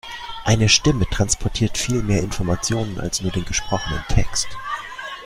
Eine Stimme transportiert viel mehr Information als nur den gesprochenen Text.